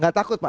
gak takut pak